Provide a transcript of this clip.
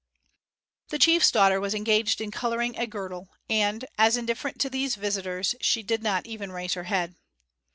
The chief's daughter was engaged in coloring a girdle, and, as indifferent to these visitors, she did not even raise her head.